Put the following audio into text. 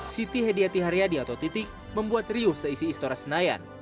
siti hediati haryadi atau titik membuat riuh seisi istora senayan